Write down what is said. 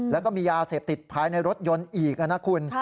แล้วก็มียาเสพติดภายในรถยนต์อีกนะคุณ